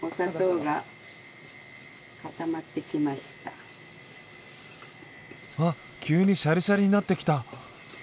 うわっ急にシャリシャリになってきた！